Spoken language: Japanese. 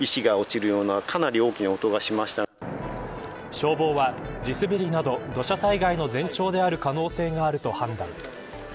消防は、地滑りなど土砂災害の前兆である可能性があると判断。